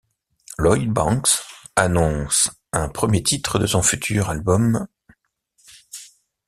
Lloyd Banks annonce un premier titre de son futur album, '.